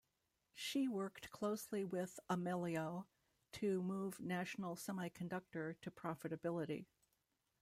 She worked closely with Amelio to move National Semiconductor to profitability.